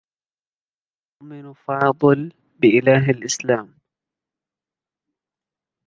يؤمن فاضل بإله الإسلام.